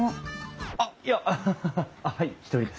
あっいやはい１人です。